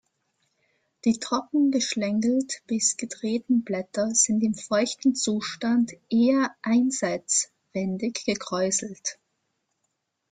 Die trocken geschlängelt bis gedrehten Blätter sind im feuchten Zustand eher einseitswendig gekräuselt.